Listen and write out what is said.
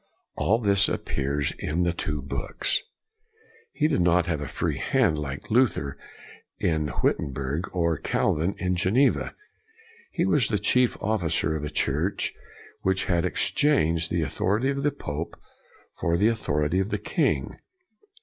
All this appears in the two books. He did not have a free hand like Luther in Witten berg or Calvin in Geneva. He was the chief officer of a church which had ex changed the authority of the pope for the authority of the king.